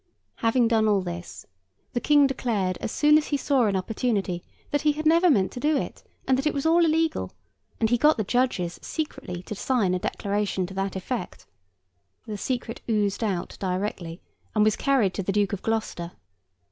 Having done all this, the King declared as soon as he saw an opportunity that he had never meant to do it, and that it was all illegal; and he got the judges secretly to sign a declaration to that effect. The secret oozed out directly, and was carried to the Duke of Gloucester.